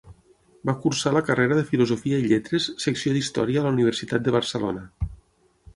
Va cursar la carrera de Filosofia i Lletres, secció d'Història a la Universitat de Barcelona.